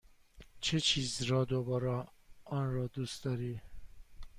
چه چیز را درباره آن دوست داری؟